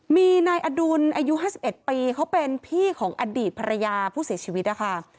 มีนายอดุลอายุ๕๑ปีเขาเป็นพี่ของอดีตภรรยาผู้เสียชีวิตนะคะ